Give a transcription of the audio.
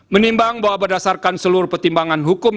menimbang bahwa berdasarkan seluruh pertimbangan hukum